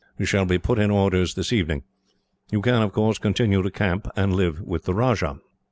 You shall be put in orders this evening. You can, of course, continue to camp and live with the Rajah."